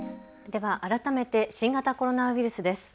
では改めて新型コロナウイルスです。